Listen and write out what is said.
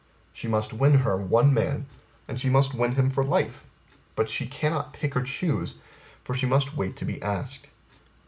She must win her one man, and she must win him for life; but she cannot pick or choose, for she must wait to be asked.